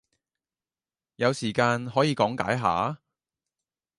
有時間可以講解下？